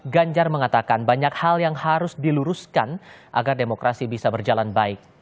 ganjar mengatakan banyak hal yang harus diluruskan agar demokrasi bisa berjalan baik